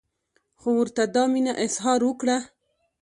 خو ورته دا مینه اظهار وکړه.